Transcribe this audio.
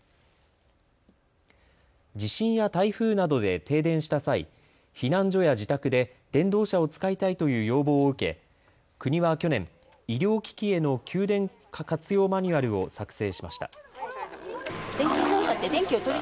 地震や台風などで停電した際、避難所や自宅で電動車を使いたいという要望を受け国は去年、医療機器への給電活用マニュアルを作成しました。